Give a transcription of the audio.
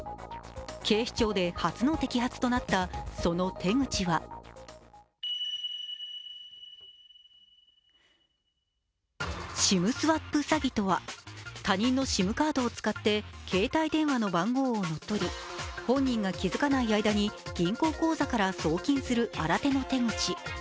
警視庁で初の摘発となった、その手口はＳＩＭスワップ詐欺とは他人のＳＩＭカードを使って携帯電話の番号を乗っ取り、本人が気付かない間に銀行口座から送金する新手の手口。